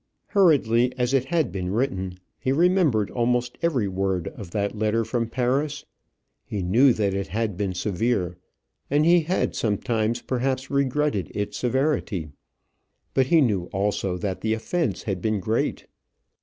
Hurriedly as it had been written, he remembered almost every word of that letter from Paris. He knew that it had been severe, and he had sometimes perhaps regretted its severity. But he knew also that the offence had been great.